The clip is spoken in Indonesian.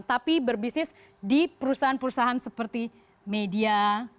tapi berbisnis di perusahaan perusahaan seperti media